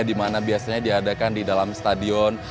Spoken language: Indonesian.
dimana biasanya diadakan di dalam stadion